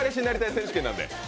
選手権なんで。